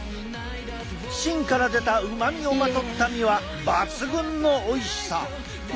芯から出たうまみをまとった実は抜群のおいしさ。